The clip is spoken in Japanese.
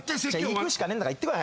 行くしかねえんだから行ってこい。